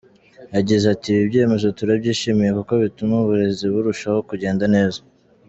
Yagize ati “Ibi byemezo turabyishimiye kuko bituma uburezi burushaho kugenda neza.